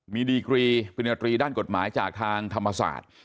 มีดีกรีปริญญาตรีด้านกฎหมายจากทางธรรมศาสตร์